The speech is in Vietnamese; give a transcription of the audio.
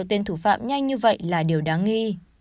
đưa tiền thủ phạm nhanh như vậy là điều đáng nghi